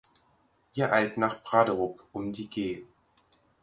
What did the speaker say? Wir eilten nach Braderup, um die G